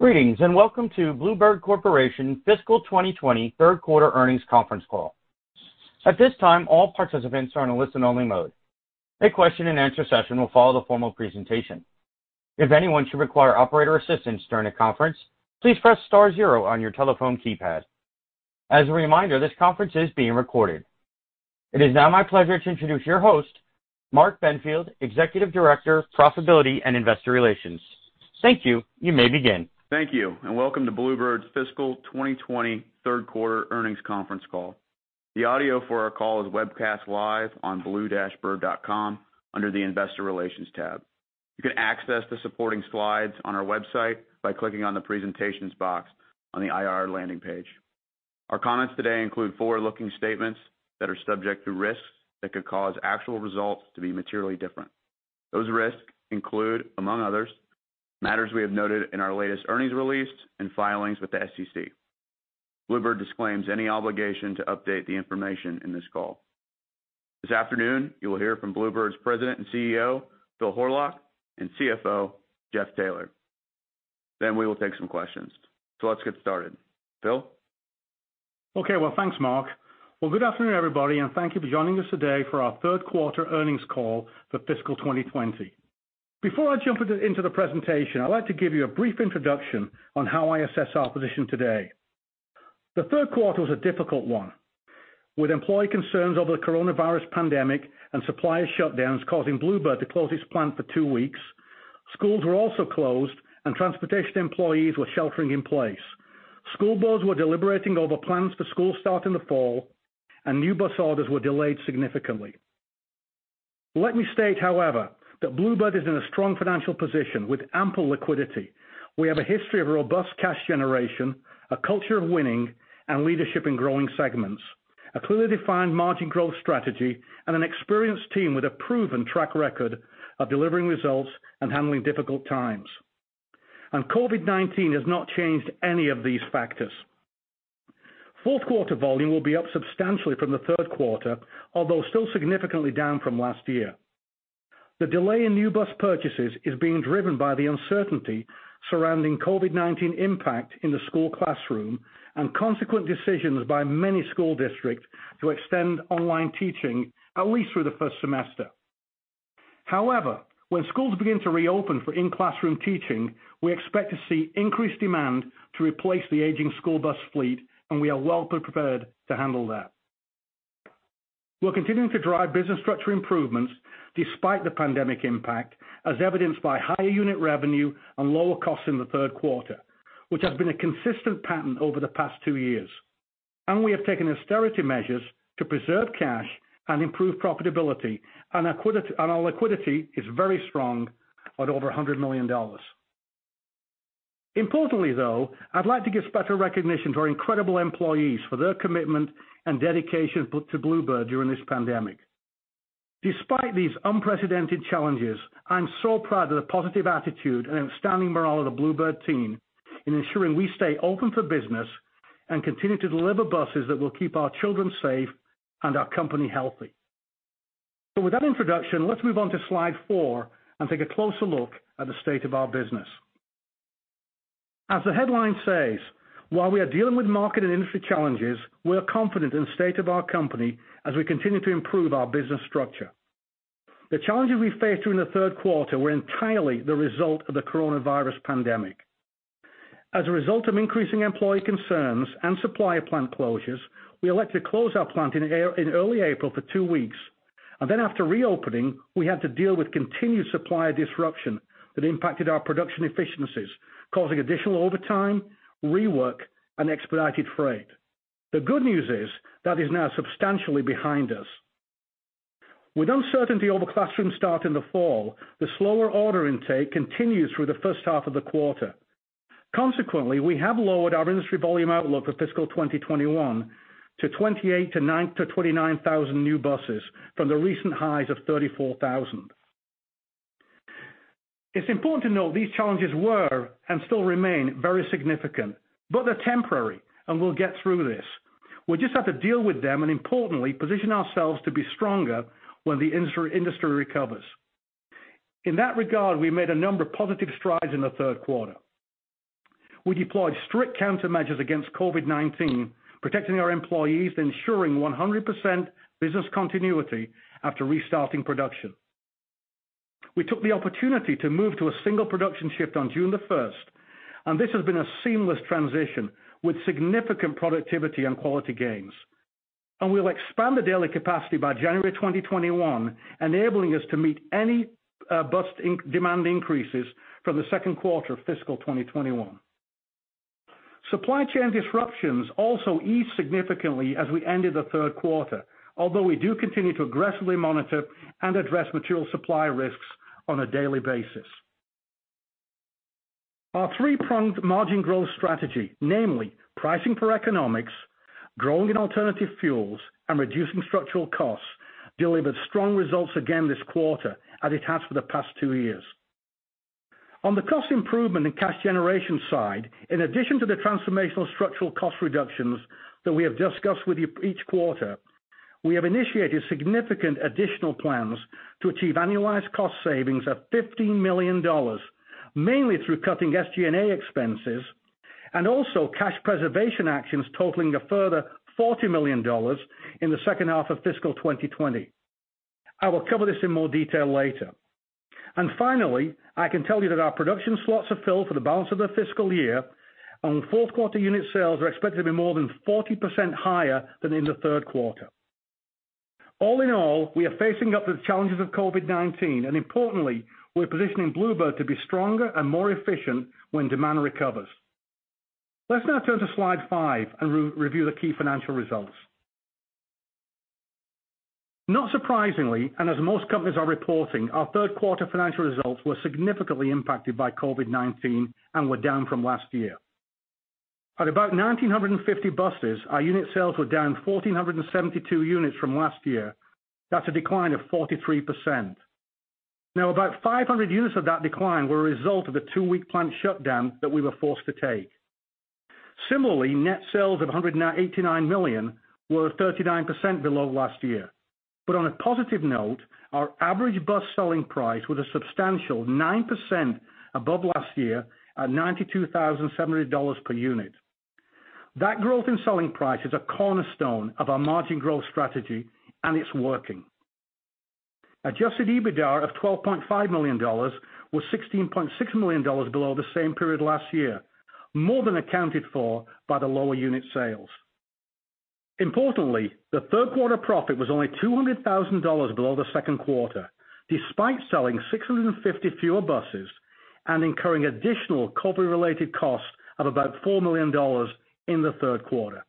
Greetings, and welcome to Blue Bird Corporation fiscal 2020 third quarter earnings conference call. At this time, all participants are in a listen-only mode. A question-and-answer session will follow the formal presentation. If anyone should require operator assistance during the conference, please press star zero on your telephone keypad. As a reminder, this conference is being recorded. It is now my pleasure to introduce your host, Mark Benfield, Executive Director of Profitability and Investor Relations. Thank you. You may begin. Thank you. Welcome to Blue Bird's fiscal 2020 third quarter earnings conference call. The audio for our call is webcast live on blue-bird.com under the investor relations tab. You can access the supporting slides on our website by clicking on the presentations box on the IR landing page. Our comments today include forward-looking statements that are subject to risks that could cause actual results to be materially different. Those risks include, among others, matters we have noted in our latest earnings release and filings with the SEC. Blue Bird disclaims any obligation to update the information in this call. This afternoon, you will hear from Blue Bird's President and CEO, Phil Horlock, and CFO, Jeff Taylor. We will take some questions. Let's get started. Phil? Okay. Well, thanks, Mark. Good afternoon, everybody, and thank you for joining us today for our third quarter earnings call for fiscal 2020. Before I jump into the presentation, I'd like to give you a brief introduction on how I assess our position today. The third quarter was a difficult one, with employee concerns over the coronavirus pandemic and supplier shutdowns causing Blue Bird to close its plant for two weeks. Schools were also closed, and transportation employees were sheltering in place. School boards were deliberating over plans for school starting in the fall, and new bus orders were delayed significantly. Let me state, however, that Blue Bird is in a strong financial position with ample liquidity. We have a history of robust cash generation, a culture of winning, and leadership in growing segments, a clearly defined margin growth strategy, and an experienced team with a proven track record of delivering results and handling difficult times. COVID-19 has not changed any of these factors. Fourth quarter volume will be up substantially from the third quarter, although still significantly down from last year. The delay in new bus purchases is being driven by the uncertainty surrounding COVID-19 impact in the school classroom and consequent decisions by many school districts to extend online teaching at least through the first semester. However, when schools begin to reopen for in-classroom teaching, we expect to see increased demand to replace the aging school bus fleet, and we are well prepared to handle that. We're continuing to drive business structure improvements despite the pandemic impact, as evidenced by higher unit revenue and lower costs in the third quarter, which has been a consistent pattern over the past two years. We have taken austerity measures to preserve cash and improve profitability, and our liquidity is very strong at over $100 million. Importantly, though, I'd like to give special recognition to our incredible employees for their commitment and dedication to Blue Bird during this pandemic. Despite these unprecedented challenges, I'm so proud of the positive attitude and outstanding morale of the Blue Bird team in ensuring we stay open for business and continue to deliver buses that will keep our children safe and our company healthy. With that introduction, let's move on to slide four and take a closer look at the state of our business. As the headline says, while we are dealing with market and industry challenges, we are confident in the state of our company as we continue to improve our business structure. The challenges we faced during the third quarter were entirely the result of the COVID-19 pandemic. As a result of increasing employee concerns and supplier plant closures, we elected to close our plant in early April for two weeks, and then after reopening, we had to deal with continued supplier disruption that impacted our production efficiencies, causing additional overtime, rework, and expedited freight. The good news is that is now substantially behind us. With uncertainty over classroom start in the fall, the slower order intake continued through the first half of the quarter. Consequently, we have lowered our industry volume outlook for fiscal 2021 to 28,000-29,000 new buses from the recent highs of 34,000. It's important to note these challenges were, and still remain, very significant, but they're temporary and we'll get through this. We just have to deal with them and importantly, position ourselves to be stronger when the industry recovers. In that regard, we made a number of positive strides in the third quarter. We deployed strict countermeasures against COVID-19, protecting our employees and ensuring 100% business continuity after restarting production. We took the opportunity to move to a single production shift on June 1st, this has been a seamless transition with significant productivity and quality gains. We'll expand the daily capacity by January 2021, enabling us to meet any bus demand increases from the second quarter of fiscal 2021. Supply chain disruptions also eased significantly as we ended the third quarter, although we do continue to aggressively monitor and address material supply risks on a daily basis. Our three-pronged margin growth strategy, namely pricing for economics, growing in alternative fuels, and reducing structural costs, delivered strong results again this quarter, as it has for the past two years. On the cost improvement and cash generation side, in addition to the transformational structural cost reductions that we have discussed with you each quarter. We have initiated significant additional plans to achieve annualized cost savings of $15 million, mainly through cutting SG&A expenses and also cash preservation actions totaling a further $40 million in the second half of fiscal 2020. I will cover this in more detail later. Finally, I can tell you that our production slots are filled for the balance of the fiscal year, and fourth quarter unit sales are expected to be more than 40% higher than in the third quarter. All in all, we are facing up the challenges of COVID-19, and importantly, we're positioning Blue Bird to be stronger and more efficient when demand recovers. Let's now turn to slide five and review the key financial results. Not surprisingly, and as most companies are reporting, our third quarter financial results were significantly impacted by COVID-19 and were down from last year. At about 1,950 buses, our unit sales were down 1,472 units from last year. That's a decline of 43%. Now about 500 units of that decline were a result of the two-week plant shutdown that we were forced to take. Similarly, net sales of $189 million were 39% below last year. On a positive note, our average bus selling price was a substantial 9% above last year at $92,700 per unit. That growth in selling price is a cornerstone of our margin growth strategy, and it's working. Adjusted EBITDA of $12.5 million was $16.6 million below the same period last year, more than accounted for by the lower unit sales. Importantly, the third quarter profit was only $200,000 below the second quarter, despite selling 650 fewer buses and incurring additional COVID-19-related costs of about $4 million in the third quarter.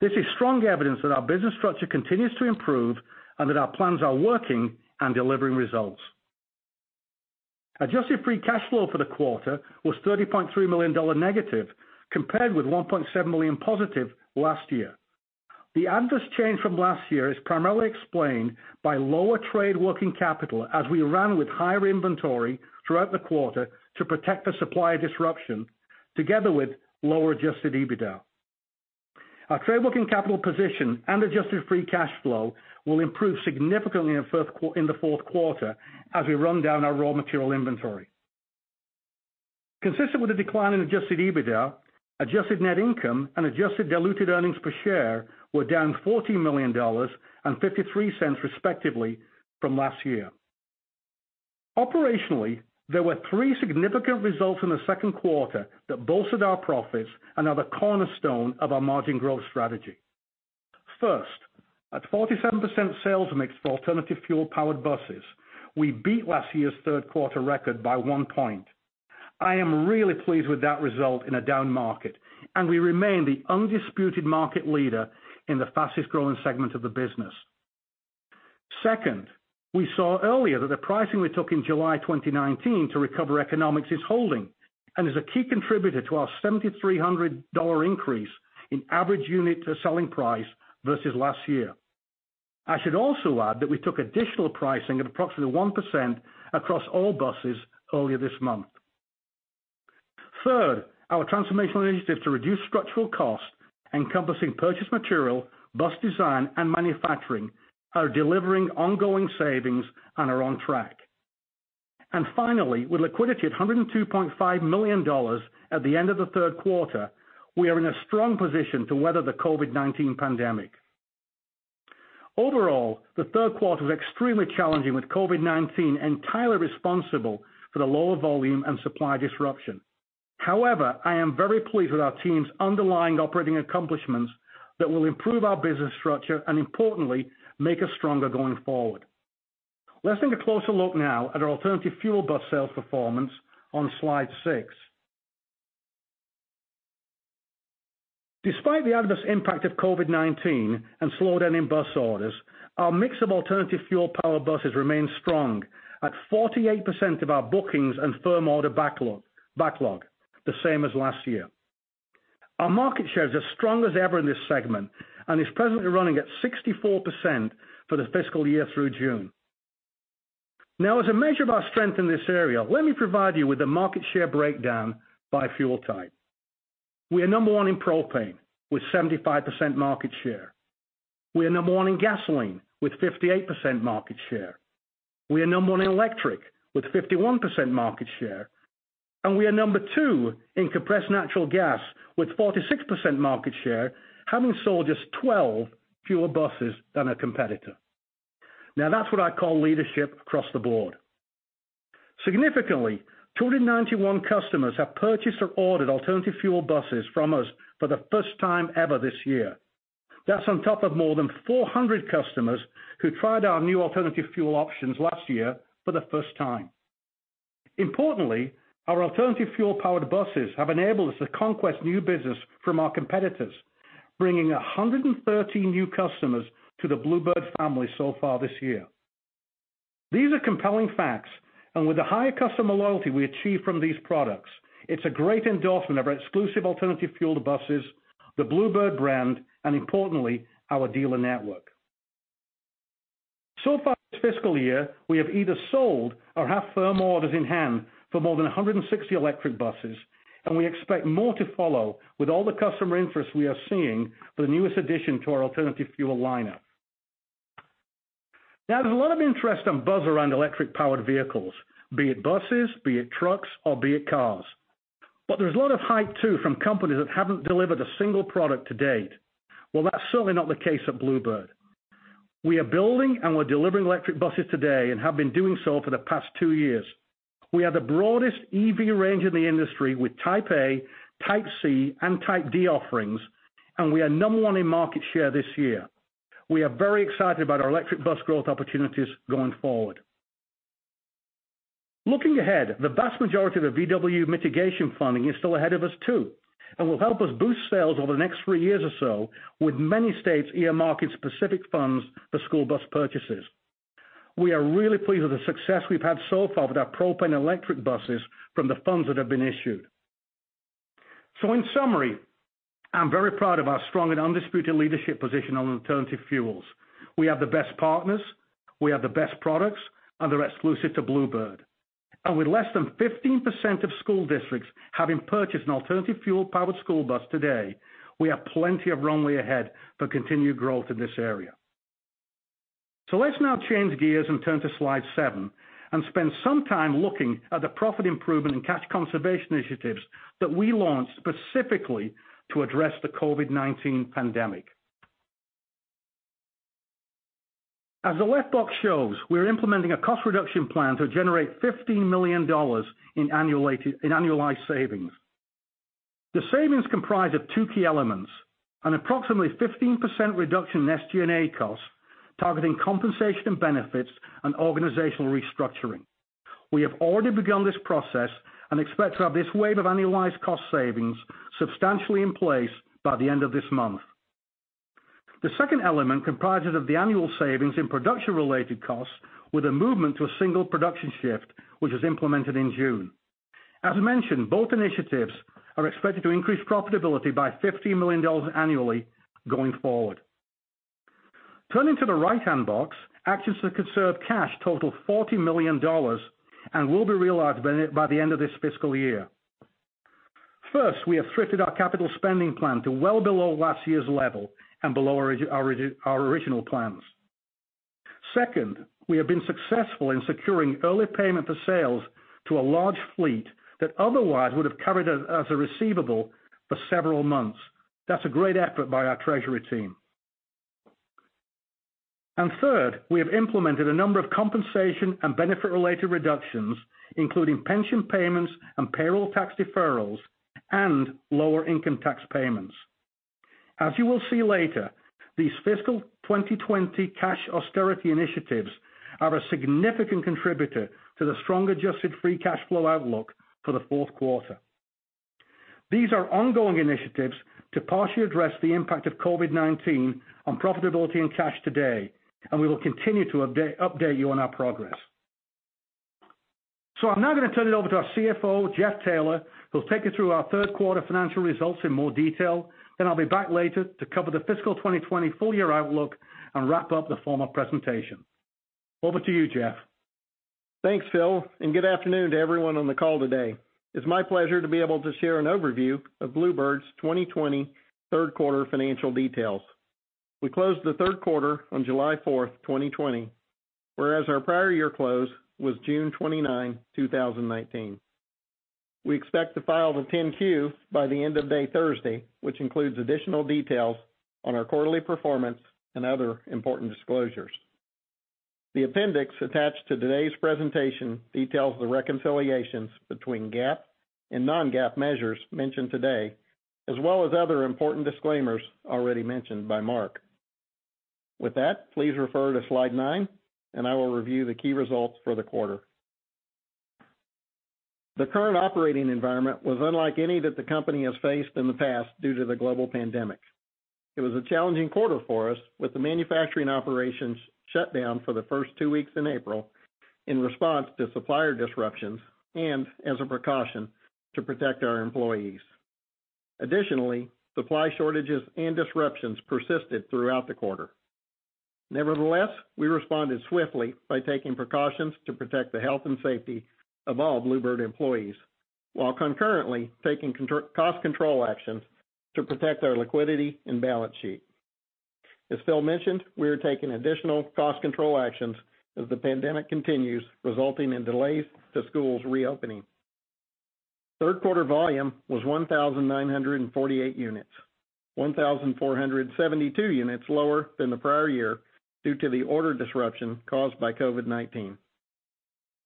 This is strong evidence that our business structure continues to improve and that our plans are working and delivering results. Adjusted free cash flow for the quarter was $-30.3 million, compared with $+1.7 million last year. The adverse change from last year is primarily explained by lower trade working capital as we ran with higher inventory throughout the quarter to protect the supply disruption together with lower adjusted EBITDA. Our trade working capital position and adjusted free cash flow will improve significantly in the fourth quarter as we run down our raw material inventory. Consistent with the decline in adjusted EBITDA, adjusted net income and adjusted diluted earnings per share were down $14 million and $0.53 respectively from last year. Operationally, there were three significant results in the second quarter that bolstered our profits and are the cornerstone of our margin growth strategy. First, at 47% sales mix for alternative fuel-powered buses, we beat last year's third-quarter record by one point. I am really pleased with that result in a down market. We remain the undisputed market leader in the fastest-growing segment of the business. Second, we saw earlier that the pricing we took in July 2019 to recover economics is holding and is a key contributor to our $7,300 increase in average unit selling price versus last year. I should also add that we took additional pricing of approximately 1% across all buses earlier this month. Third, our transformational initiatives to reduce structural costs, encompassing purchased material, bus design, and manufacturing, are delivering ongoing savings and are on track. Finally, with liquidity at $102.5 million at the end of the third quarter, we are in a strong position to weather the COVID-19 pandemic. Overall, the third quarter was extremely challenging, with COVID-19 entirely responsible for the lower volume and supply disruption. However, I am very pleased with our team's underlying operating accomplishments that will improve our business structure and importantly, make us stronger going forward. Let's take a closer look now at our alternative fuel bus sales performance on slide six. Despite the adverse impact of COVID-19 and slowdown in bus orders, our mix of alternative fuel-powered buses remains strong at 48% of our bookings and firm order backlog, the same as last year. Our market share is as strong as ever in this segment and is presently running at 64% for the fiscal year through June. As a measure of our strength in this area, let me provide you with a market share breakdown by fuel type. We are number one in propane with 75% market share. We are number one in gasoline with 58% market share. We are number one in electric with 51% market share, and we are number two in compressed natural gas with 46% market share, having sold just 12 fewer buses than our competitor. That's what I call leadership across the board. Significantly, 291 customers have purchased or ordered alternative fuel buses from us for the first time ever this year. That's on top of more than 400 customers who tried our new alternative fuel options last year for the first time. Importantly, our alternative fuel-powered buses have enabled us to conquest new business from our competitors, bringing 113 new customers to the Blue Bird family so far this year. These are compelling facts, and with the high customer loyalty we achieve from these products, it's a great endorsement of our exclusive alternative fuel to buses, the Blue Bird brand, and importantly, our dealer network. Far this fiscal year, we have either sold or have firm orders in hand for more than 160 electric buses, and we expect more to follow with all the customer interest we are seeing for the newest addition to our alternative fuel lineup. Now, there's a lot of interest and buzz around electric-powered vehicles, be it buses, be it trucks, or be it cars. There's a lot of hype, too, from companies that haven't delivered a single product to date. Well, that's certainly not the case at Blue Bird. We are building and we're delivering electric buses today and have been doing so for the past two years. We have the broadest EV range in the industry with Type A, Type C, and Type D offerings, and we are number one in market share this year. We are very excited about our electric bus growth opportunities going forward. Looking ahead, the vast majority of the VW mitigation funding is still ahead of us, too, and will help us boost sales over the next three years or so with many states earmarking specific funds for school bus purchases. We are really pleased with the success we've had so far with our propane electric buses from the funds that have been issued. In summary, I'm very proud of our strong and undisputed leadership position on alternative fuels. We have the best partners, we have the best products, they're exclusive to Blue Bird. With less than 15% of school districts having purchased an alternative fuel-powered school bus today, we have plenty of runway ahead for continued growth in this area. Let's now change gears and turn to slide seven and spend some time looking at the profit improvement and cash conservation initiatives that we launched specifically to address the COVID-19 pandemic. As the left box shows, we're implementing a cost reduction plan to generate $15 million in annualized savings. The savings comprise of two key elements, an approximately 15% reduction in SG&A costs, targeting compensation and benefits and organizational restructuring. We have already begun this process and expect to have this wave of annualized cost savings substantially in place by the end of this month. The second element comprises of the annual savings in production-related costs with a movement to a single production shift, which was implemented in June. As mentioned, both initiatives are expected to increase profitability by $15 million annually going forward. Turning to the right-hand box, actions to conserve cash total $40 million and will be realized by the end of this fiscal year. First, we have thrifted our capital spending plan to well below last year's level and below our original plans. Second, we have been successful in securing early payment for sales to a large fleet that otherwise would have carried as a receivable for several months. That's a great effort by our treasury team. Third, we have implemented a number of compensation and benefit-related reductions, including pension payments and payroll tax deferrals and lower income tax payments. As you will see later, these fiscal 2020 cash austerity initiatives are a significant contributor to the strong adjusted free cash flow outlook for the fourth quarter. These are ongoing initiatives to partially address the impact of COVID-19 on profitability and cash today. We will continue to update you on our progress. I'm now going to turn it over to our CFO, Jeff Taylor, who'll take you through our third quarter financial results in more detail. I'll be back later to cover the fiscal 2020 full-year outlook and wrap up the formal presentation. Over to you, Jeff. Thanks, Phil. Good afternoon to everyone on the call today. It's my pleasure to be able to share an overview of Blue Bird's 2020 third quarter financial details. We closed the third quarter on July 4th, 2020, whereas our prior year close was June 29, 2019. We expect to file the 10-Q by the end of day Thursday, which includes additional details on our quarterly performance and other important disclosures. The appendix attached to today's presentation details the reconciliations between GAAP and non-GAAP measures mentioned today, as well as other important disclaimers already mentioned by Mark. With that, please refer to slide nine, and I will review the key results for the quarter. The current operating environment was unlike any that the company has faced in the past due to the global pandemic. It was a challenging quarter for us with the manufacturing operations shut down for the first two weeks in April in response to supplier disruptions and as a precaution to protect our employees. Additionally, supply shortages and disruptions persisted throughout the quarter. Nevertheless, we responded swiftly by taking precautions to protect the health and safety of all Blue Bird employees while concurrently taking cost control actions to protect our liquidity and balance sheet. As Phil mentioned, we are taking additional cost control actions as the pandemic continues, resulting in delays to schools reopening. Third quarter volume was 1,948 units, 1,472 units lower than the prior year due to the order disruption caused by COVID-19.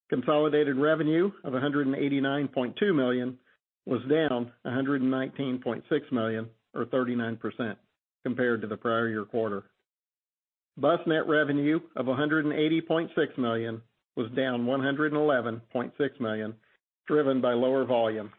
Consolidated revenue of $189.2 million was down $119.6 million or 39% compared to the prior year quarter. Bus net revenue of $180.6 million was down $111.6 million driven by lower volume.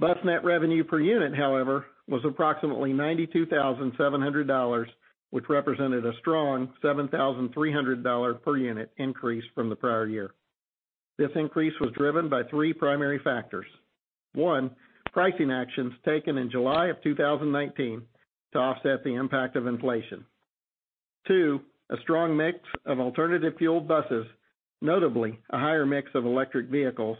Bus net revenue per unit, however, was approximately $92,700, which represented a strong $7,300 per unit increase from the prior year. This increase was driven by three primary factors. One, pricing actions taken in July of 2019 to offset the impact of inflation. Two, a strong mix of alternative fuel buses, notably a higher mix of electric vehicles.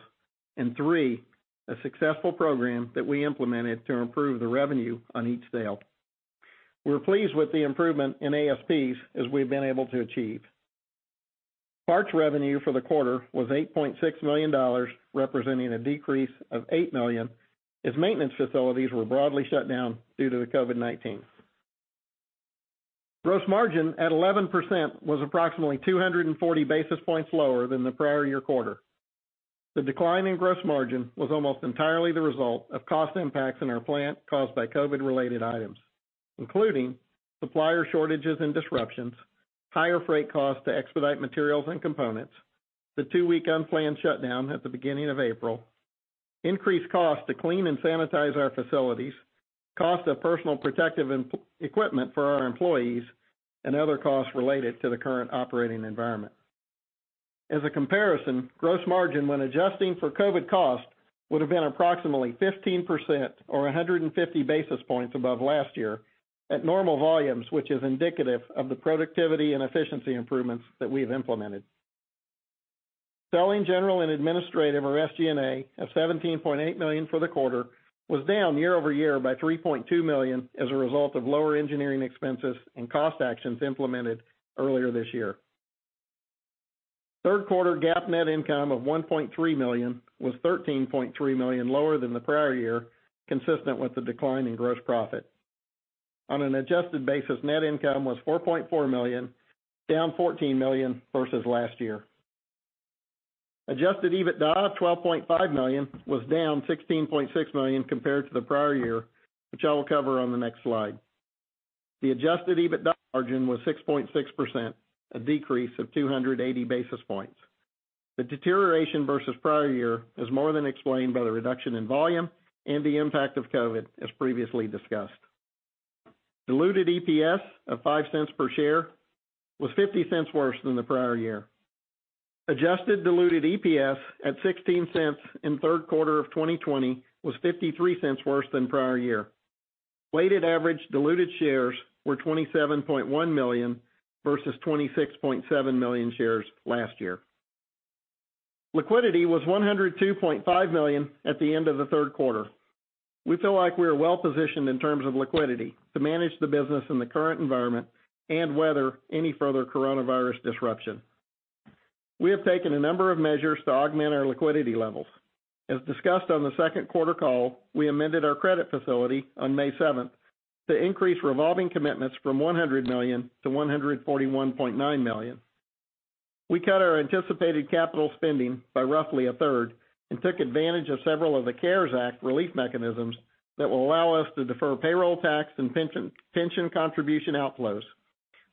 Three, a successful program that we implemented to improve the revenue on each sale. We're pleased with the improvement in ASPs as we've been able to achieve. Parts revenue for the quarter was $8.6 million, representing a decrease of $8 million as maintenance facilities were broadly shut down due to the COVID-19. Gross margin at 11% was approximately 240 basis points lower than the prior year quarter. The decline in gross margin was almost entirely the result of cost impacts in our plant caused by COVID related items, including supplier shortages and disruptions, higher freight costs to expedite materials and components, the two-week unplanned shutdown at the beginning of April, increased cost to clean and sanitize our facilities, cost of personal protective equipment for our employees, and other costs related to the current operating environment. As a comparison, gross margin, when adjusting for COVID costs, would have been approximately 15% or 150 basis points above last year at normal volumes, which is indicative of the productivity and efficiency improvements that we've implemented. Selling, general, and administrative or SG&A of $17.8 million for the quarter was down year-over-year by $3.2 million as a result of lower engineering expenses and cost actions implemented earlier this year. Third quarter GAAP net income of $1.3 million was $13.3 million lower than the prior year, consistent with the decline in gross profit. On an adjusted basis, net income was $4.4 million, down $14 million versus last year. Adjusted EBITDA of $12.5 million was down $16.6 million compared to the prior year, which I will cover on the next slide. The adjusted EBITDA margin was 6.6%, a decrease of 280 basis points. The deterioration versus prior year is more than explained by the reduction in volume and the impact of COVID, as previously discussed. Diluted EPS of $0.05 per share was $0.50 worse than the prior year. Adjusted diluted EPS at $0.16 in third quarter of 2020 was $0.53 worse than prior year. Weighted average diluted shares were 27.1 million versus 26.7 million shares last year. Liquidity was $102.5 million at the end of the third quarter. We feel like we are well positioned in terms of liquidity to manage the business in the current environment and weather any further coronavirus disruption. We have taken a number of measures to augment our liquidity levels. As discussed on the second quarter call, we amended our credit facility on May 7th to increase revolving commitments from $100 million-$141.9 million. We cut our anticipated capital spending by roughly a third and took advantage of several of the CARES Act relief mechanisms that will allow us to defer payroll tax and pension contribution outflows.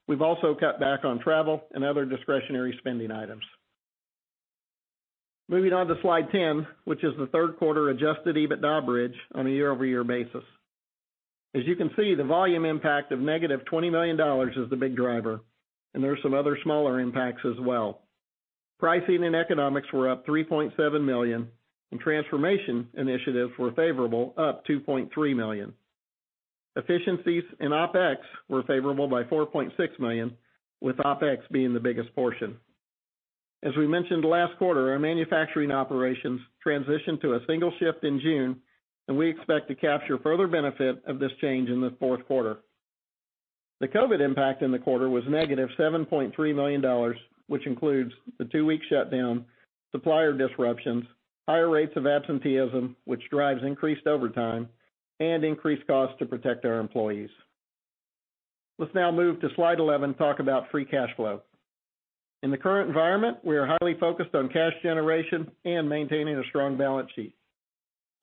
We've also cut back on travel and other discretionary spending items. Moving on to slide 10, which is the third quarter adjusted EBITDA bridge on a year-over-year basis. As you can see, the volume impact of $-20 million is the big driver, and there are some other smaller impacts as well. Pricing and economics were up $3.7 million, and transformation initiatives were favorable, up $2.3 million. Efficiencies in OpEx were favorable by $4.6 million, with OpEx being the biggest portion. As we mentioned last quarter, our manufacturing operations transitioned to a single shift in June, and we expect to capture further benefit of this change in the fourth quarter. The COVID impact in the quarter was $-7.3 million, which includes the two-week shutdown, supplier disruptions, higher rates of absenteeism, which drives increased overtime, and increased costs to protect our employees. Let's now move to slide 11, talk about free cash flow. In the current environment, we are highly focused on cash generation and maintaining a strong balance sheet.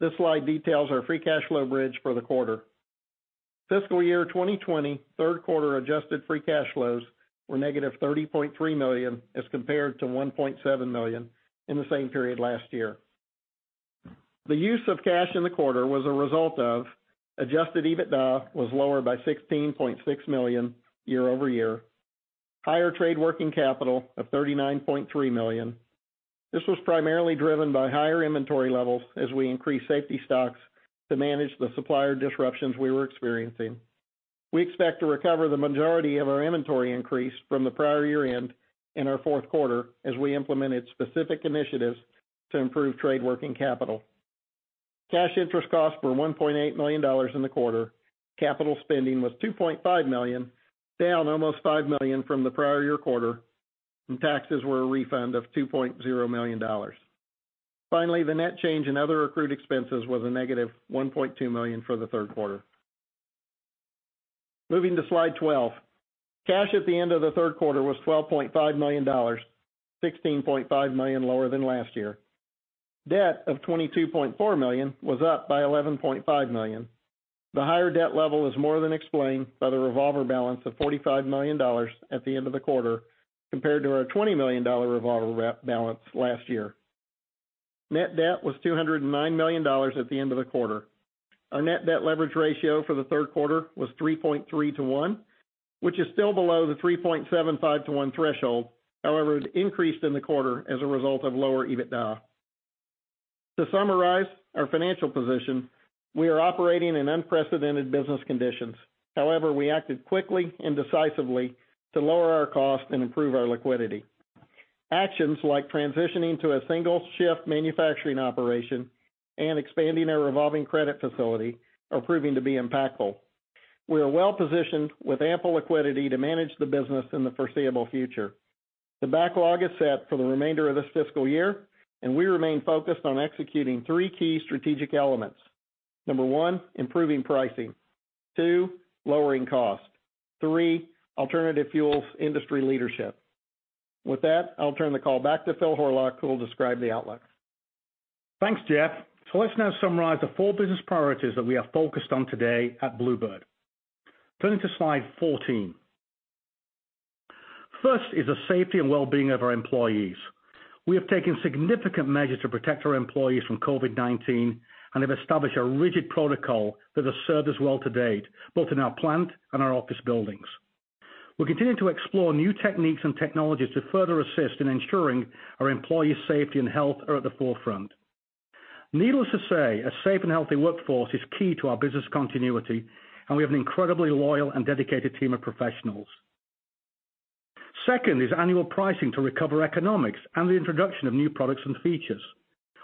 This slide details our free cash flow bridge for the quarter. Fiscal year 2020 third quarter adjusted free cash flows were $-30.3 million as compared to $1.7 million in the same period last year. The use of cash in the quarter was a result of adjusted EBITDA was lower by $16.6 million year-over-year, higher trade working capital of $39.3 million. This was primarily driven by higher inventory levels as we increased safety stocks to manage the supplier disruptions we were experiencing. We expect to recover the majority of our inventory increase from the prior year end in our fourth quarter as we implemented specific initiatives to improve trade working capital. Cash interest costs were $1.8 million in the quarter. Capital spending was $2.5 million, down almost $5 million from the prior year quarter, and taxes were a refund of $2.0 million. Finally, the net change in other accrued expenses was a $-1.2 million for the third quarter. Moving to slide 12. Cash at the end of the third quarter was $12.5 million, $16.5 million lower than last year. Debt of $22.4 million was up by $11.5 million. The higher debt level is more than explained by the revolver balance of $45 million at the end of the quarter, compared to our $20 million revolver balance last year. Net debt was $209 million at the end of the quarter. Our net debt leverage ratio for the third quarter was 3.3:1, which is still below the 3.75:1 threshold. However, it increased in the quarter as a result of lower EBITDA. To summarize our financial position, we are operating in unprecedented business conditions. However, we acted quickly and decisively to lower our cost and improve our liquidity. Actions like transitioning to a single shift manufacturing operation and expanding our revolving credit facility are proving to be impactful. We are well-positioned with ample liquidity to manage the business in the foreseeable future. The backlog is set for the remainder of this fiscal year, we remain focused on executing three key strategic elements. Number one, improving pricing. Two, lowering cost. Three, alternative fuels industry leadership. With that, I'll turn the call back to Phil Horlock, who will describe the outlook. Thanks, Jeff. Let's now summarize the four business priorities that we are focused on today at Blue Bird. Turning to slide 14. First is the safety and well-being of our employees. We have taken significant measures to protect our employees from COVID-19 and have established a rigid protocol that has served us well to date, both in our plant and our office buildings. We're continuing to explore new techniques and technologies to further assist in ensuring our employees' safety and health are at the forefront. Needless to say, a safe and healthy workforce is key to our business continuity, and we have an incredibly loyal and dedicated team of professionals. Second is annual pricing to recover economics and the introduction of new products and features.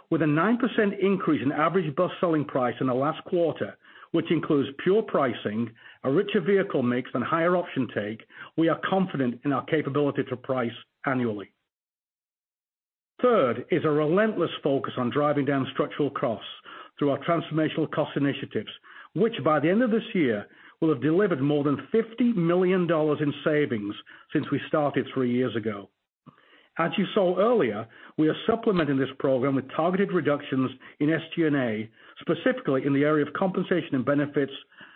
With a 9% increase in average bus selling price in the last quarter, which includes pure pricing, a richer vehicle mix, and higher option take, we are confident in our capability to price annually. Third is a relentless focus on driving down structural costs through our transformational cost initiatives, which by the end of this year, will have delivered more than $50 million in savings since we started three years ago. As you saw earlier, we are supplementing this program with targeted reductions in SG&A, specifically in the area of compensation and benefits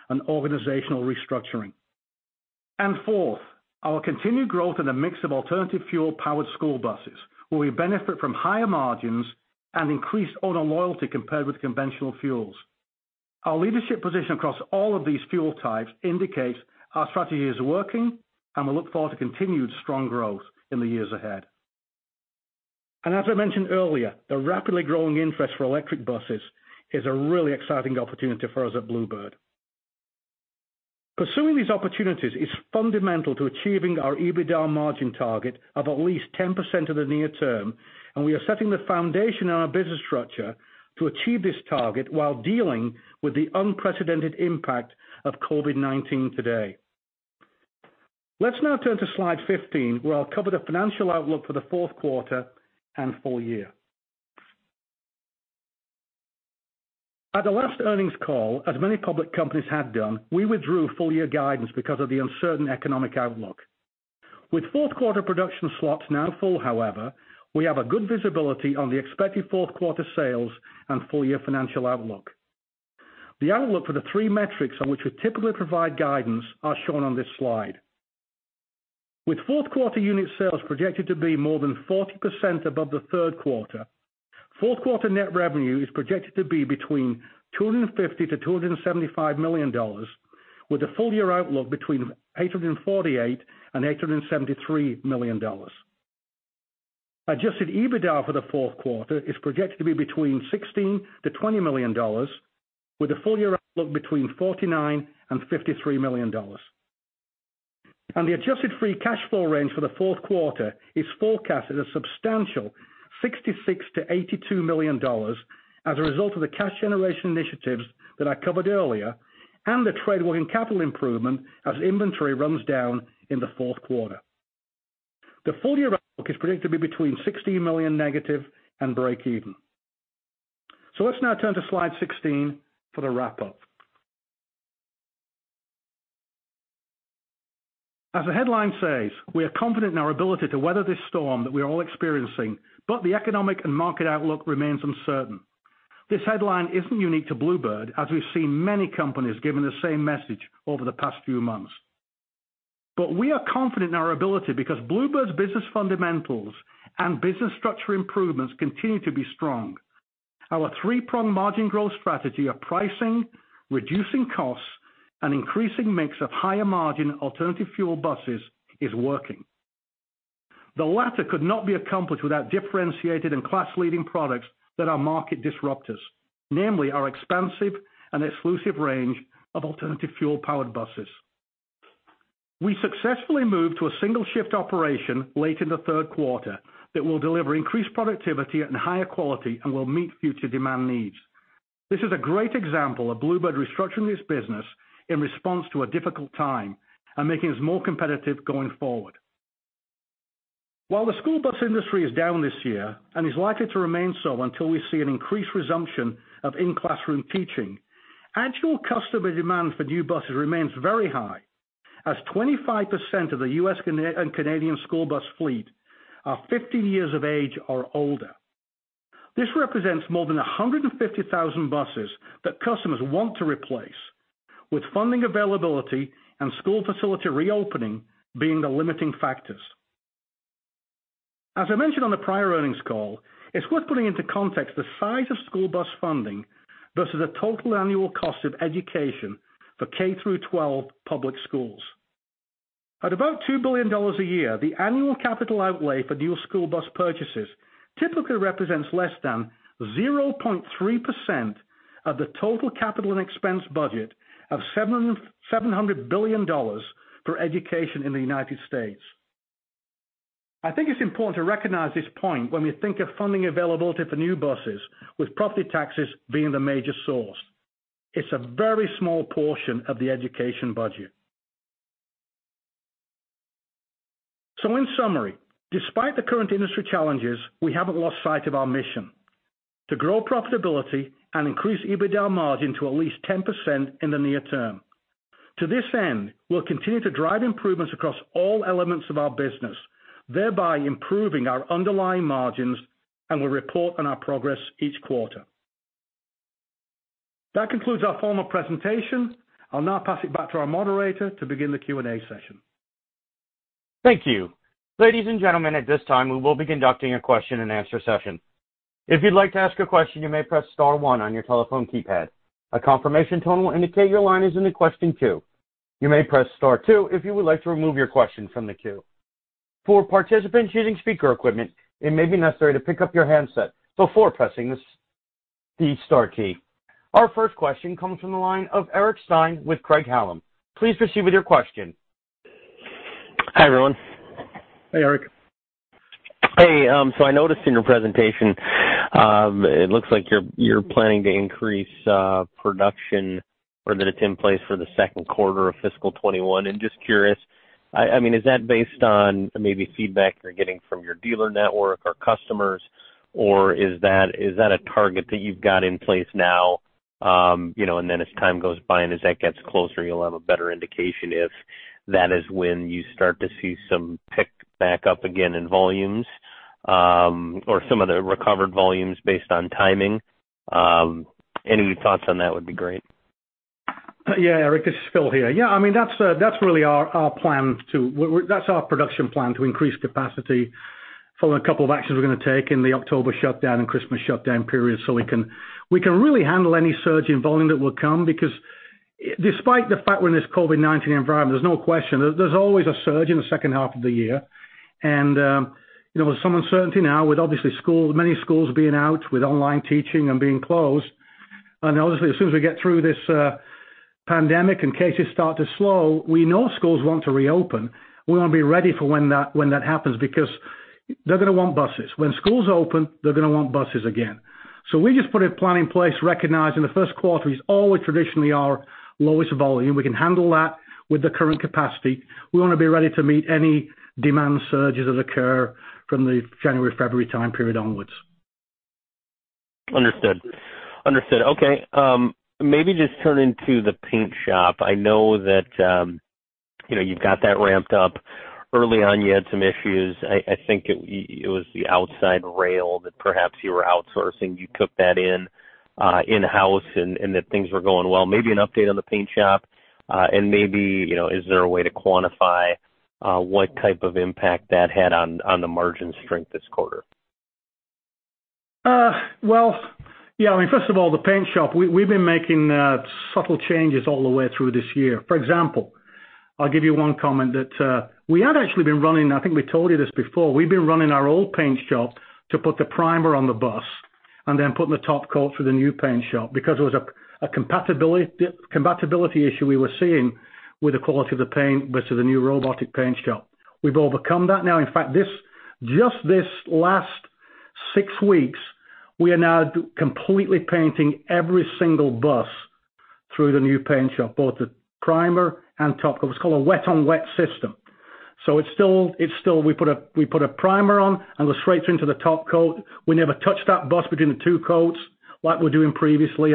and organizational restructuring. Fourth, our continued growth in a mix of alternative fuel powered school buses, where we benefit from higher margins and increased owner loyalty compared with conventional fuels. Our leadership position across all of these fuel types indicates our strategy is working, and we look forward to continued strong growth in the years ahead. As I mentioned earlier, the rapidly growing interest for electric buses is a really exciting opportunity for us at Blue Bird. Pursuing these opportunities is fundamental to achieving our EBITDA margin target of at least 10% in the near term, and we are setting the foundation in our business structure to achieve this target while dealing with the unprecedented impact of COVID-19 today. Let's now turn to slide 15, where I'll cover the financial outlook for the fourth quarter and full year. At the last earnings call, as many public companies have done, we withdrew full year guidance because of the uncertain economic outlook. With fourth quarter production slots now full, however, we have a good visibility on the expected fourth quarter sales and full year financial outlook. The outlook for the three metrics on which we typically provide guidance are shown on this slide. With fourth quarter unit sales projected to be more than 40% above the third quarter, fourth quarter net revenue is projected to be between $250 million-$275 million, with a full year outlook between $848 million and $873 million. Adjusted EBITDA for the fourth quarter is projected to be between $16 million-$20 million, with a full year outlook between $49 million and $53 million. The adjusted free cash flow range for the fourth quarter is forecasted a substantial $66 million-$82 million as a result of the cash generation initiatives that I covered earlier and the trade working capital improvement as inventory runs down in the fourth quarter. The full year outlook is predicted to be between $-16 million and breakeven. Let's now turn to slide 16 for the wrap-up. As the headline says, we are confident in our ability to weather this storm that we are all experiencing, but the economic and market outlook remains uncertain. This headline isn't unique to Blue Bird, as we've seen many companies giving the same message over the past few months. We are confident in our ability because Blue Bird's business fundamentals and business structure improvements continue to be strong. Our three-pronged margin growth strategy of pricing, reducing costs, and increasing mix of higher margin alternative fuel buses is working. The latter could not be accomplished without differentiated and class-leading products that are market disruptors, namely our expansive and exclusive range of alternative fuel powered buses. We successfully moved to a single shift operation late in the third quarter that will deliver increased productivity and higher quality and will meet future demand needs. This is a great example of Blue Bird restructuring its business in response to a difficult time and making us more competitive going forward. While the school bus industry is down this year and is likely to remain so until we see an increased resumption of in-classroom teaching, actual customer demand for new buses remains very high as 25% of the U.S. and Canadian school bus fleet are 15 years of age or older. This represents more than 150,000 buses that customers want to replace with funding availability and school facility reopening being the limiting factors. As I mentioned on the prior earnings call, it's worth putting into context the size of school bus funding versus the total annual cost of education for K-12 public schools. At about $2 billion a year, the annual capital outlay for new school bus purchases typically represents less than 0.3% of the total capital and expense budget of $700 billion for education in the U.S. I think it's important to recognize this point when we think of funding availability for new buses, with property taxes being the major source. It's a very small portion of the education budget. In summary, despite the current industry challenges, we haven't lost sight of our mission, to grow profitability and increase EBITDA margin to at least 10% in the near term. To this end, we'll continue to drive improvements across all elements of our business, thereby improving our underlying margins, and we'll report on our progress each quarter. That concludes our formal presentation. I'll now pass it back to our moderator to begin the Q&A session. Thank you. Ladies and gentlemen, at this time we will be conducting a question-and-answer session. If you'd like to ask a question, you may press star one on your telephone keypad. A confirmation tone will indicate your line is in the question queue. You may press star two if you would like to remove your question from the queue. For participants using speaker equipment, it may be necessary to pick up your handset before pressing the star key. Our first question comes from the line of Eric Stine with Craig-Hallum. Please proceed with your question. Hi, everyone. Hi, Eric. I noticed in your presentation, it looks like you're planning to increase production or that it's in place for the second quarter of fiscal 2021. Just curious, is that based on maybe feedback you're getting from your dealer network or customers, or is that a target that you've got in place now, and then as time goes by and as that gets closer, you'll have a better indication if that is when you start to see some pick back up again in volumes, or some of the recovered volumes based on timing? Any thoughts on that would be great. Yeah, Eric, this is Phil here. That's really our plan too. That's our production plan, to increase capacity following a couple of actions we're going to take in the October shutdown and Christmas shutdown period so we can really handle any surge in volume that will come because despite the fact we're in this COVID-19 environment, there's no question there's always a surge in the second half of the year. There's some uncertainty now with obviously many schools being out with online teaching and being closed. Obviously, as soon as we get through this pandemic and cases start to slow, we know schools want to reopen. We want to be ready for when that happens because they're going to want buses. When schools open, they're going to want buses again. We just put a plan in place recognizing the first quarter is always traditionally our lowest volume. We can handle that with the current capacity. We want to be ready to meet any demand surges that occur from the January-February time period onwards. Understood. Okay. Maybe just turn into the paint shop. I know that you've got that ramped up. Early on you had some issues. I think it was the outside rail that perhaps you were outsourcing. You took that in-house and that things were going well. Maybe an update on the paint shop. Maybe, is there a way to quantify what type of impact that had on the margin strength this quarter? Well, yeah. First of all, the paint shop, we've been making subtle changes all the way through this year. For example, I'll give you one comment that we had actually been running, I think we told you this before. We've been running our old paint shop to put the primer on the bus and then putting the top coat through the new paint shop because there was a compatibility issue we were seeing with the quality of the paint with the new robotic paint shop. We've overcome that now. In fact, just this last six weeks, we are now completely painting every single bus through the new paint shop, both the primer and top coat. It's called a wet-on-wet system. It's still we put a primer on and go straight through into the top coat. We never touch that bus between the two coats like we were doing previously.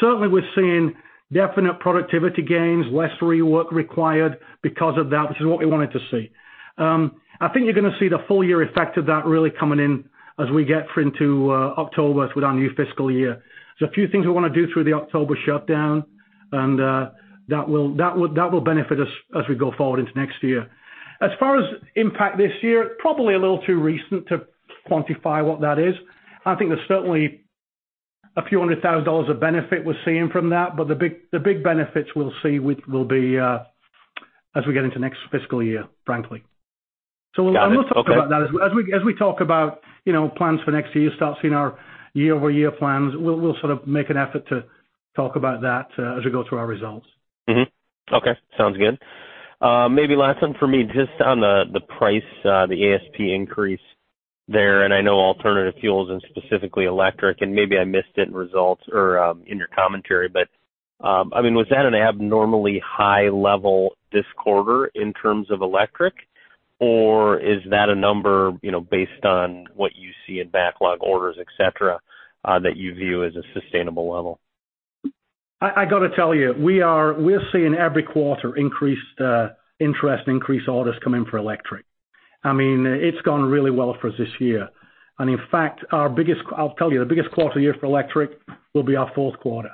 Certainly, we're seeing definite productivity gains, less rework required because of that, which is what we wanted to see. I think you're going to see the full year effect of that really coming in as we get into October with our new fiscal year. There's a few things we want to do through the October shutdown, and that will benefit us as we go forward into next year. As far as impact this year, probably a little too recent to quantify what that is. I think there's certainly a few $100,000 of benefit we're seeing from that. The big benefits we'll see will be as we get into next fiscal year, frankly. Got it. Okay. We'll talk about that as we talk about plans for next year, start seeing our year-over-year plans. We'll sort of make an effort to talk about that as we go through our results. Mm-hmm. Okay. Sounds good. Maybe last one for me, just on the price, the ASP increase there, and I know alternative fuels and specifically electric, and maybe I missed it in results or in your commentary, but was that an abnormally high level this quarter in terms of electric, or is that a number based on what you see in backlog orders, etc, that you view as a sustainable level? I got to tell you, we're seeing every quarter increased interest, increased orders come in for electric. I mean, it's gone really well for us this year. In fact, I'll tell you, the biggest quarter year for electric will be our fourth quarter.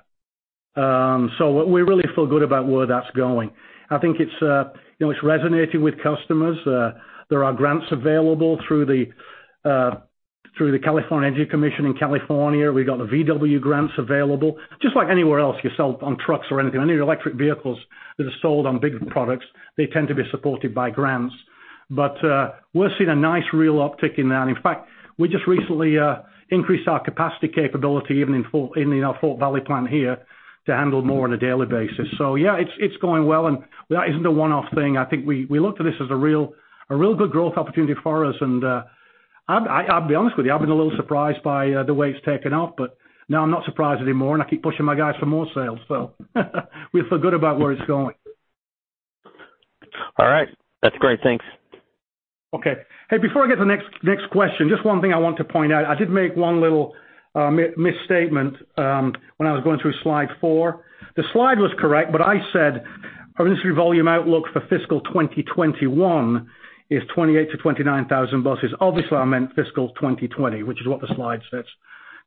We really feel good about where that's going. I think it's resonating with customers. There are grants available through the California Energy Commission in California. We've got the VW grants available. Just like anywhere else you sell on trucks or anything, any electric vehicles that are sold on big products, they tend to be supported by grants. We're seeing a nice real uptick in that. In fact, we just recently increased our capacity capability, even in our Fort Valley plant here, to handle more on a daily basis. Yeah, it's going well, and that isn't a one-off thing. I think we look to this as a real good growth opportunity for us. I'll be honest with you, I've been a little surprised by the way it's taken off. Now I'm not surprised anymore, and I keep pushing my guys for more sales, so we feel good about where it's going. All right. That's great. Thanks. Okay. Hey, before I get to the next question, just one thing I want to point out. I did make one little misstatement when I was going through slide four. The slide was correct, I said our industry volume outlook for fiscal 2021 is 28,000-29,000 buses. Obviously, I meant fiscal 2020, which is what the slide says,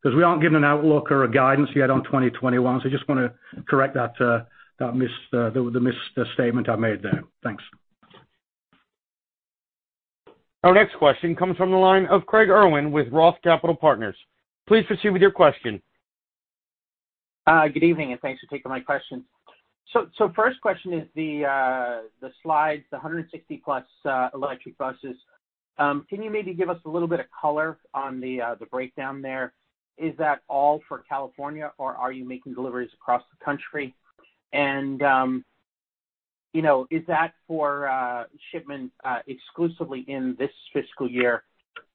because we aren't giving an outlook or a guidance yet on 2021. Just want to correct the misstatement I made there. Thanks. Our next question comes from the line of Craig Irwin with Roth Capital Partners. Please proceed with your question. Good evening. Thanks for taking my question. First question is the slides, the 160+ electric buses. Can you maybe give us a little bit of color on the breakdown there? Is that all for California, or are you making deliveries across the country? Is that for shipments exclusively in this fiscal year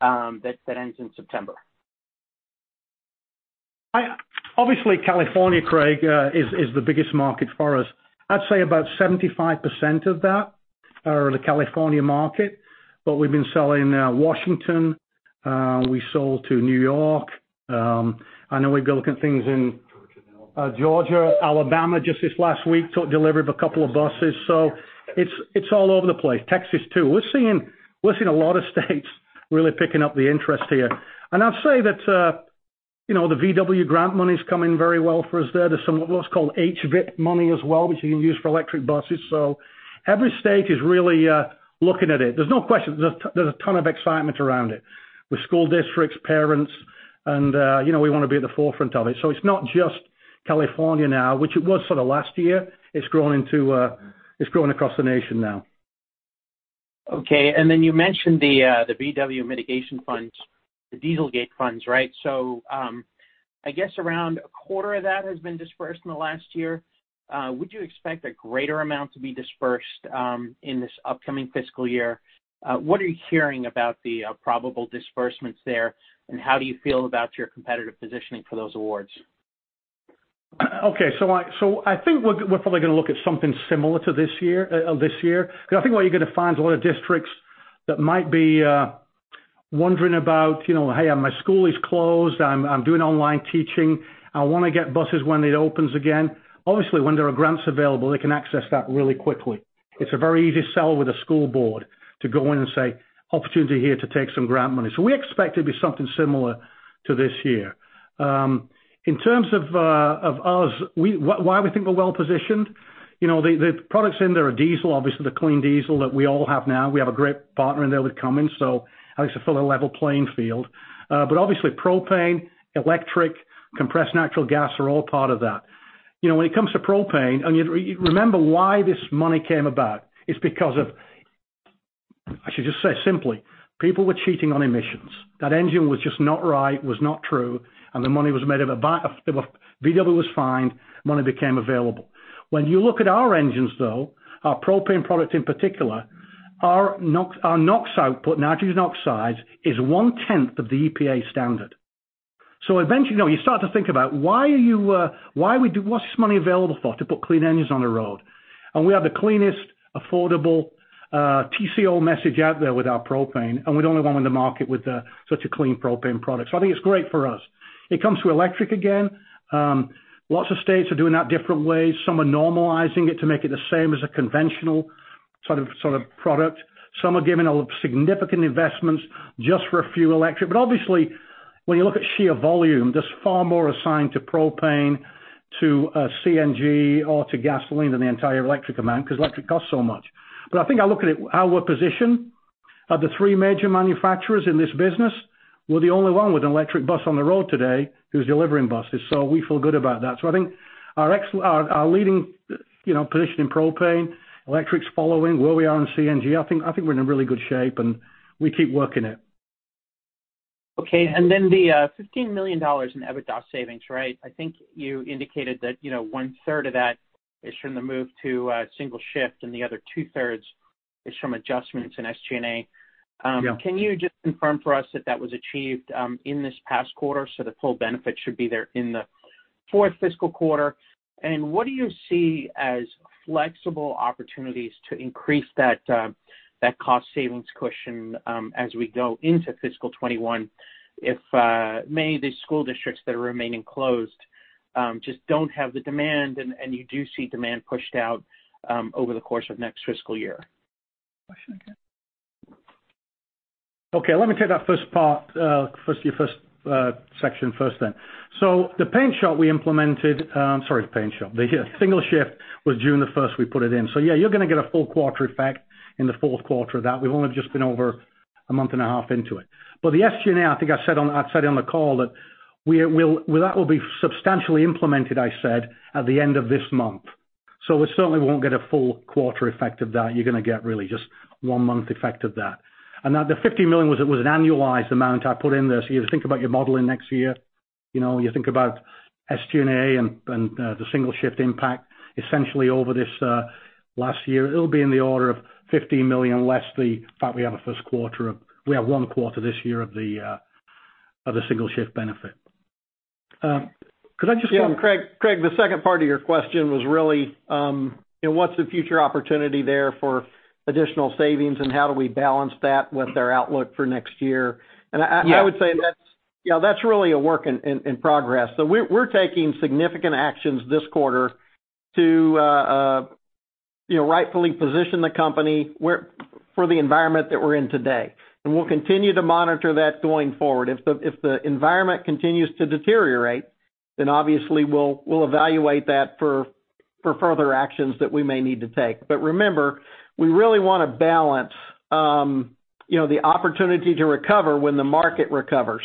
that ends in September? Obviously, California, Craig, is the biggest market for us. I'd say about 75% of that are the California market, but we've been selling Washington. We sold to New York. I know we've been looking at things in Georgia, Alabama just this last week, took delivery of a couple of buses. It's all over the place. Texas, too. We're seeing a lot of states really picking up the interest here. I'll say that the VW grant money's coming very well for us there. There's somewhat what's called HVIP money as well, which you can use for electric buses. Every state is really looking at it. There's no question. There's a ton of excitement around it with school districts, parents, and we want to be at the forefront of it. It's not just California now, which it was sort of last year. It's grown across the nation now. You mentioned the VW mitigation funds, the Dieselgate funds, right? I guess around a quarter of that has been disbursed in the last year. Would you expect a greater amount to be disbursed in this upcoming fiscal year? What are you hearing about the probable disbursements there, and how do you feel about your competitive positioning for those awards? I think we're probably going to look at something similar to this year. I think what you're going to find is a lot of districts that might be wondering about, "Hey, my school is closed. I'm doing online teaching. I want to get buses when it opens again." Obviously, when there are grants available, they can access that really quickly. It's a very easy sell with a school board to go in and say, "Opportunity here to take some grant money." We expect it to be something similar to this year. In terms of us, why we think we're well-positioned? The products in there are diesel, obviously the clean diesel that we all have now. We have a great partner in there with Cummins, at least a fairly level playing field. Obviously propane, electric, compressed natural gas are all part of that. When it comes to propane, remember why this money came about. It's because people were cheating on emissions. That engine was just not right, was not true, and the money was from a VW fine, money became available. When you look at our engines, though, our propane product in particular, our NOx output, nitrogen oxides, is 1/10 of the EPA standard. Eventually, you start to think about what's this money available for? To put clean engines on the road. We have the cleanest, affordable TCO message out there with our propane, and we're the only one in the market with such a clean propane product. I think it's great for us. It comes to electric again. Lots of states are doing that different ways. Some are normalizing it to make it the same as a conventional sort of product. Some are giving significant investments just for a few electric. Obviously, when you look at sheer volume, there's far more assigned to propane, to CNG, or to gasoline than the entire electric amount because electric costs so much. I think I look at how we're positioned. Of the three major manufacturers in this business, we're the only one with an electric bus on the road today who's delivering buses, so we feel good about that. I think our leading position in propane, electric's following, where we are in CNG, I think we're in a really good shape, and we keep working it. Okay. The $15 million in EBITDA savings, right? I think you indicated that 1/3 of that is from the move to a single shift and the other 2/3 is from adjustments in SG&A. Yeah. Can you just confirm for us that that was achieved in this past quarter, so the full benefit should be there in the fourth fiscal quarter? What do you see as flexible opportunities to increase that cost savings cushion as we go into fiscal 2021 if many of these school districts that are remaining closed, just don't have the demand, and you do see demand pushed out over the course of next fiscal year. Question again? Let me take that first part, your first section first then. The paint shop we implemented. The single shift was June 1st we put it in. Yeah, you're going to get a full quarter effect in the fourth quarter of that. We've only just been over a month and a half into it. The SG&A, I think I said on the call that will be substantially implemented, I said, at the end of this month. We certainly won't get a full quarter effect of that. You're going to get really just one month effect of that. The $50 million was an annualized amount I put in there. You think about your modeling next year. You think about SG&A and the single shift impact essentially over this last year. It'll be in the order of $50 million. We have one quarter this year of the single shift benefit. Yeah, Craig, the second part of your question was really what's the future opportunity there for additional savings and how do we balance that with our outlook for next year? Yes. I would say that's really a work in progress. We're taking significant actions this quarter to rightfully position the company for the environment that we're in today. We'll continue to monitor that going forward. If the environment continues to deteriorate, then obviously we'll evaluate that for further actions that we may need to take. Remember, we really want to balance the opportunity to recover when the market recovers.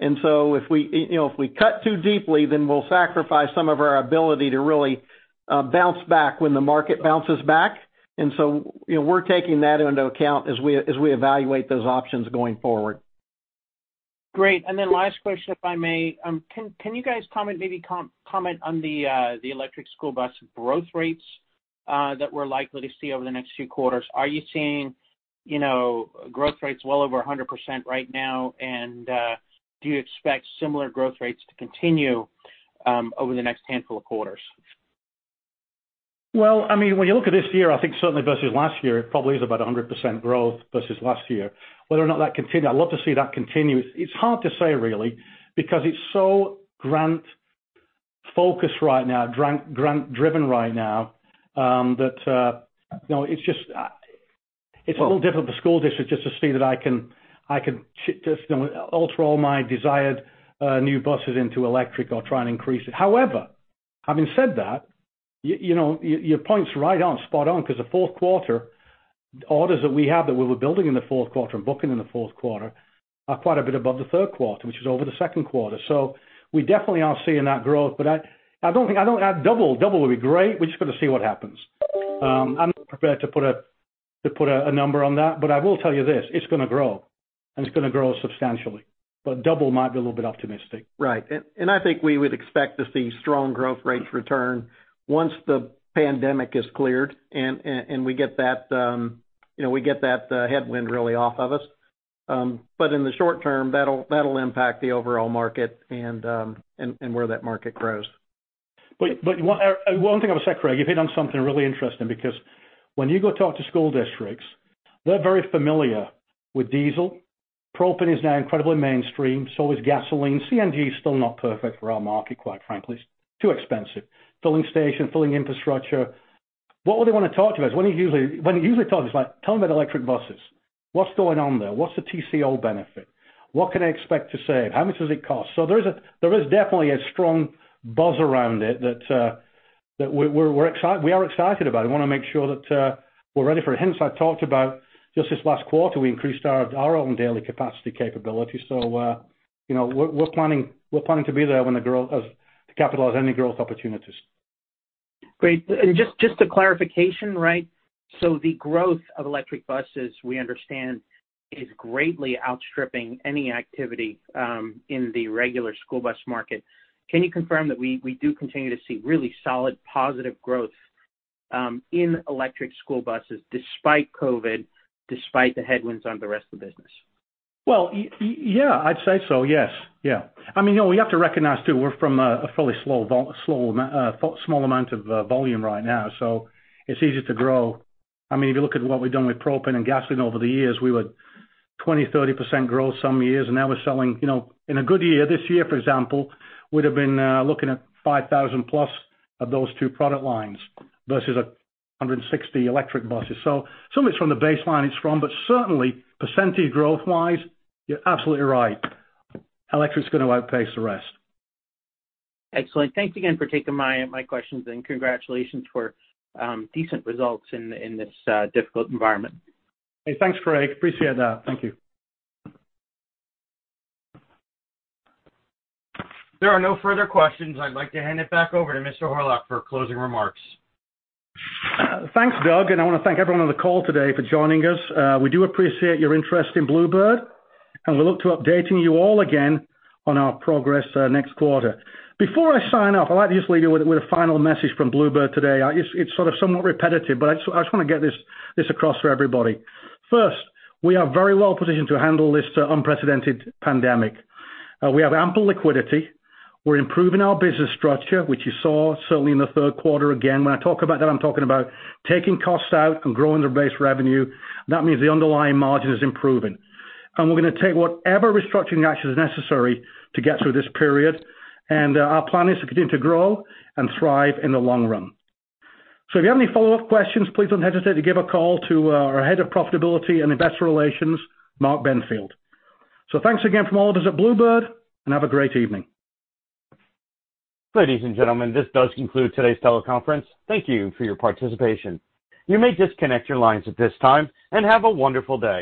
If we cut too deeply, then we'll sacrifice some of our ability to really bounce back when the market bounces back. We're taking that into account as we evaluate those options going forward. Great. Then last question, if I may? Can you guys maybe comment on the electric school bus growth rates that we're likely to see over the next few quarters? Are you seeing growth rates well over 100% right now? Do you expect similar growth rates to continue over the next handful of quarters? Well, when you look at this year, I think certainly versus last year, it probably is about 100% growth versus last year. Whether or not that continues, I'd love to see that continue. It's hard to say, really, because it's so grant-focused right now, grant-driven right now. It's a little different for school districts just to see that I can just alter all my desired new buses into electric or try and increase it. However, having said that, your point's right on, spot on, because the fourth quarter orders that we have that we were building in the fourth quarter and booking in the fourth quarter are quite a bit above the third quarter, which was over the second quarter. We definitely are seeing that growth, but double would be great. We've just got to see what happens. I'm not prepared to put a number on that, but I will tell you this, it's going to grow, and it's going to grow substantially. Double might be a little bit optimistic. Right. I think we would expect to see strong growth rates return once the pandemic is cleared, and we get that headwind really off of us. In the short term, that'll impact the overall market and where that market grows. One thing I would say, Craig, you've hit on something really interesting because when you go talk to school districts, they're very familiar with diesel. Propane is now incredibly mainstream. Is gasoline. CNG is still not perfect for our market, quite frankly. It's too expensive. Filling station, filling infrastructure. What would they want to talk to us? When you usually talk, it's like, "Tell me about electric buses. What's going on there? What's the TCO benefit? What can I expect to save? How much does it cost?" There is definitely a strong buzz around it that we are excited about, and want to make sure that we're ready for it. Hence, I talked about just this last quarter, we increased our own daily capacity capability. We're planning to be there to capitalize any growth opportunities. Great. Just a clarification, right? The growth of electric buses, we understand, is greatly outstripping any activity in the regular school bus market. Can you confirm that we do continue to see really solid, positive growth in electric school buses despite COVID, despite the headwinds on the rest of the business? Yeah, I'd say so. Yes. I mean, we have to recognize, too, we're from a fairly small amount of volume right now, so it's easier to grow. If you look at what we've done with propane and gasoline over the years, we were 20%, 30% growth some years, and now we're selling in a good year. This year, for example, would've been looking at 5,000+ of those two product lines versus 160 electric buses. Some it's from the baseline it's from, but certainly percentage growth-wise, you're absolutely right. Electric's going to outpace the rest. Excellent. Thanks again for taking my questions, and congratulations for decent results in this difficult environment. Hey, thanks, Craig. Appreciate that. Thank you. There are no further questions. I'd like to hand it back over to Mr. Horlock for closing remarks. Thanks, Doug. I want to thank everyone on the call today for joining us. We do appreciate your interest in Blue Bird. We look to updating you all again on our progress next quarter. Before I sign off, I'd like to just leave you with a final message from Blue Bird today. It's sort of somewhat repetitive, but I just want to get this across for everybody. First, we are very well positioned to handle this unprecedented pandemic. We have ample liquidity. We're improving our business structure, which you saw certainly in the third quarter. Again, when I talk about that, I'm talking about taking costs out and growing the base revenue. That means the underlying margin is improving. We're going to take whatever restructuring action is necessary to get through this period. Our plan is to continue to grow and thrive in the long run. If you have any follow-up questions, please don't hesitate to give a call to our Head of Profitability and Investor Relations, Mark Benfield. Thanks again from all of us at Blue Bird, and have a great evening. Ladies and gentlemen, this does conclude today's teleconference. Thank you for your participation. You may disconnect your lines at this time, and have a wonderful day.